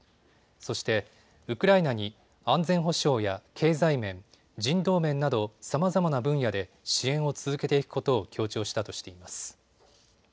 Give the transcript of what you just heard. そして、ウクライナに安全保障や経済面、人道面などさまざまな分野で支援を続けていくことを強調したとしています。